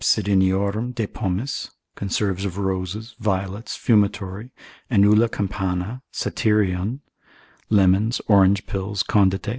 Cidoniorum de pomis, conserves of roses, violets, fumitory, enula campana, satyrion, lemons, orange pills, condite, &c.